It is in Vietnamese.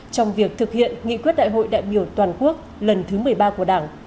trong việc thực hiện nghị quyết đại hội đại biểu toàn quốc lần thứ một mươi ba của đảng